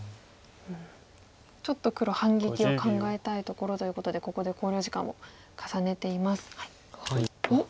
ちょっと黒反撃を考えたいところということでここで考慮時間を重ねています。